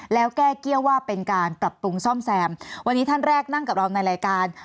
แล้วแก้เกี้ยวว่าเป็นการปรับปรุงซ่อมแซมวันนี้ท่านแรกนั่งกับเราในรายการ